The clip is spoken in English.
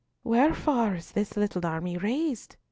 "Wherefore is this little army raised?"